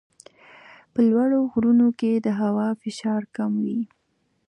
په لوړو غرونو کې د هوا فشار کم وي.